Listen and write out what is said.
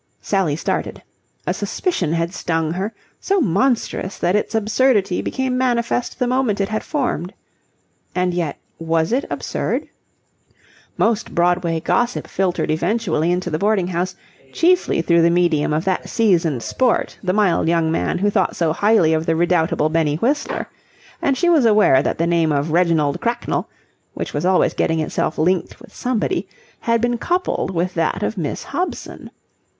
Sally started. A suspicion had stung her, so monstrous that its absurdity became manifest the moment it had formed. And yet was it absurd? Most Broadway gossip filtered eventually into the boarding house, chiefly through the medium of that seasoned sport, the mild young man who thought so highly of the redoubtable Benny Whistler, and she was aware that the name of Reginald Cracknell, which was always getting itself linked with somebody, had been coupled with that of Miss Hobson.